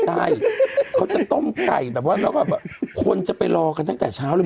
ใช่เขาจะต้มไก่แบบว่าแล้วแบบคนจะไปรอกันตั้งแต่เช้าเลย